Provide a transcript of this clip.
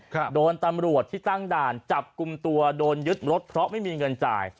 โดนตำรวจที่ตั้งด่านจับกลุ่มตัวโดนยึดรถเพราะไม่มีเงินจ่าย